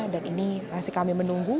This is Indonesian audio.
dan ini masih kami menunggu